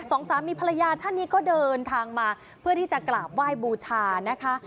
สองสามีภรรยาท่านนี้ก็เดินทางมาเพื่อที่จะกราบไหว้บูชานะคะ